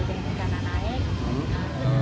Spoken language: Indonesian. ke tiga kanan naik